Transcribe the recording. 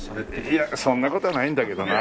いやそんな事はないんだけどな。